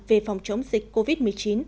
về phòng chống dịch covid một mươi chín